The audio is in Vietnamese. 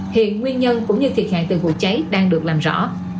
hiện nguyên nhân cũng như thiệt hại từ vụ cháy đang được làm rõ